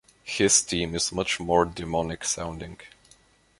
His theme is much more demonic sounding.